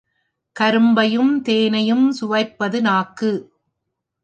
கரும்பையும், தேனையும் சுவைப்பது நாக்கு.